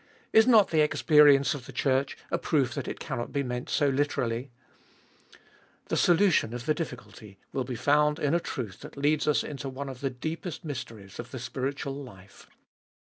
Is not the experience of the Church a proof that it cannot be meant so literally ? The solution of the difficulty will be found in a truth that leads us into one of the deepest mysteries of the spiritual life.